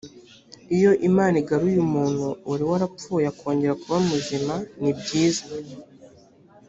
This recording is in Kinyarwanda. iyo imana igaruye umuntu wari warapfuye akongera kuba muzima nibyiza